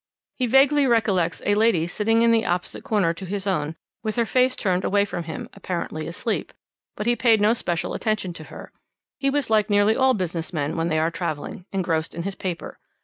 He vaguely recollects a lady sitting in the opposite corner to his own, with her face turned away from him, apparently asleep, but he paid no special attention to her. He was like nearly all business men when they are travelling engrossed in his paper.